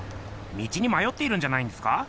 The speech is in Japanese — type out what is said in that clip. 道にまよっているんじゃないんですか？